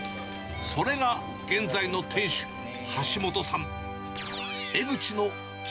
それが現在の店主、橋本さん。